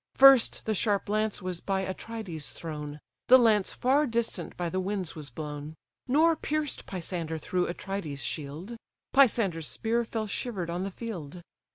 First the sharp lance was by Atrides thrown; The lance far distant by the winds was blown. Nor pierced Pisander through Atrides' shield: Pisander's spear fell shiver'd on the field.